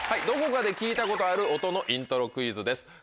どこかで聞いたことある音のイントロクイズです。